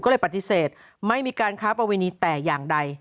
ก็เลยปฏิเสธไม่มีการค้าประเวณีแต่อย่างใด